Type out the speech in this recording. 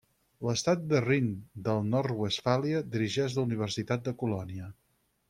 L'Estat de Rin del Nord-Westfàlia dirigeix la Universitat de Colònia.